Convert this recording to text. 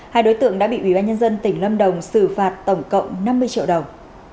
hai đối tượng đã bị ubnd tỉnh lâm đồng xử phạt tổng cộng năm mươi triệu đồng